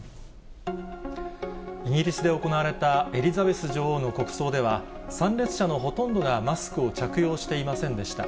イギリスで行われたエリザベス女王の国葬では、参列者のほとんどがマスクを着用していませんでした。